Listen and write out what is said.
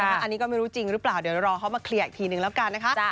อันนี้ก็ไม่รู้จริงหรือเปล่าเดี๋ยวรอเขามาเคลียร์อีกทีนึงแล้วกันนะคะ